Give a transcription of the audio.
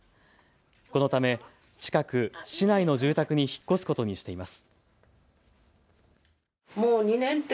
このため近く、市内の住宅に引っ越すことにしています。